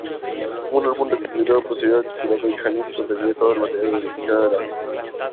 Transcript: Un álbum recopilatorio posterior, titulado "Janis", contendría todo el material original de la banda.